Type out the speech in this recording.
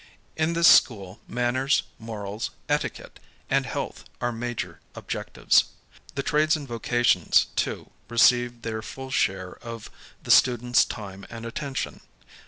In this school manners, morals, etiquette, and health are major objec tives. The trades and vocations, too, receive their full share of the students' time and attention.